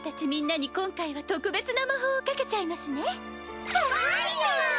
みんなに今回は特別な魔法をかけちゃいますね。